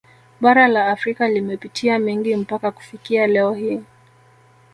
Bara la Afrika limepitia mengi mpaka kufikia leo hii